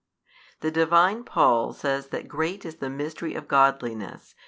The Divine Paul says that great is the Mystery of godliness.